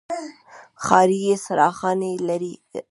ښار یې څراغاني کړ.